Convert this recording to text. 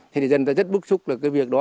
thì thì dân ta rất bức xúc được cái việc đó